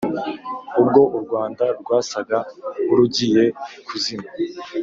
ubwo u rwanda rwasaga nk'urugiye kuzima,